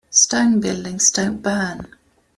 Stone buildings don't burn.